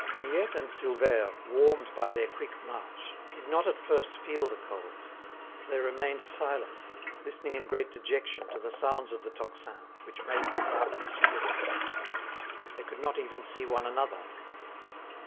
Miette and Silvère, warmed by their quick march, did not at first feel the cold. They remained silent, listening in great dejection to the sounds of the tocsin, which made the darkness quiver. They could not even see one another.